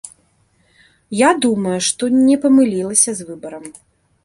Я думаю, што не памылілася з выбарам.